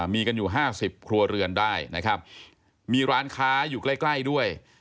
มีกันอยู่๕๐ครัวเรือนได้นะครับมีร้านค้าอยู่ใกล้ใกล้ด้วย